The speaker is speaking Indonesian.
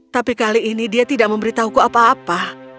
tapi kali ini dia tidak memberitahuku apa apa